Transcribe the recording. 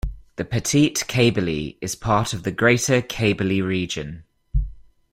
The Petite Kabylie is part of the greater Kabylie region.